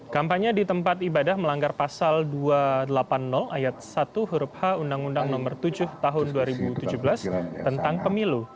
kampanye di tempat ibadah melanggar pasal dua ratus delapan puluh ayat satu huruf h undang undang nomor tujuh tahun dua ribu tujuh belas tentang pemilu